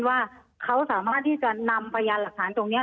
ว่าเขาสามารถที่จะนำพยานหลักฐานตรงนี้